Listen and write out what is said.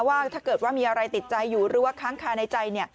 ว่าถ้าเกิดว่ามีอะไรติดใจอยู่หรือว่าค้างคาในใจ